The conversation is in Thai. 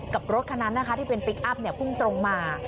รถคันนั้นนะคะที่เป็นพลิกอัพพุ่งตรงมา